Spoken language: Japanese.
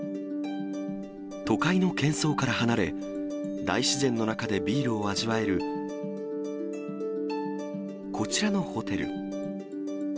都会の喧騒から離れ、大自然の中でビールを味わえる、こちらのホテル。